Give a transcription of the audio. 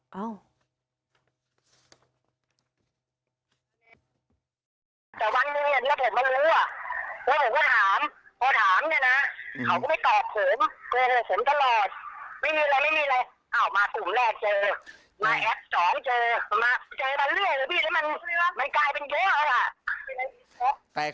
เค้าบอกเค้าไม่ได้เล่นใช่ไหมเค้าไม่มีโทรศัพท์เค้าไม่อะไรใช่ไหม